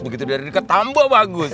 begitu dari dekat tambah bagus